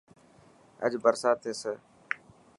اڄ برسات ٿيسي.